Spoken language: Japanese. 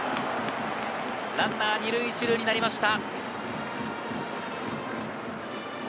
ランナー２塁１塁になりました。